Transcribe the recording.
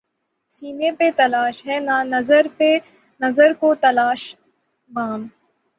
سینے پہ ہاتھ ہے نہ نظر کو تلاش بام